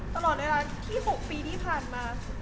ตลอดในระดับที่๖ปีที่ผ่านมา